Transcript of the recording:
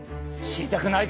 知りたい！